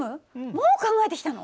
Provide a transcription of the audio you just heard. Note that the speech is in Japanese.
もう考えてきたの？